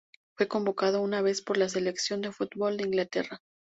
Fue convocado una vez por la selección de fútbol de Inglaterra.